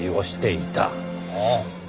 ああ。